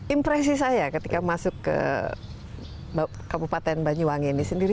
impresi saya ketika masuk ke kabupaten banyuwangi ini sendiri